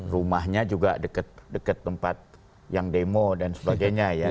rumahnya juga dekat tempat yang demo dan sebagainya ya